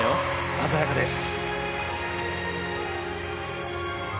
鮮やかです。